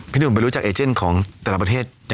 พี่หนุ่มเป็นรู้จักเอกเจนของแต่ละประเทศอย่างไรครับ